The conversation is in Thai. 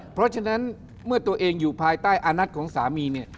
เพราะฉะนั้นเมื่อตัวเองอยู่ภายใต้อานัทของสามีเนี่ย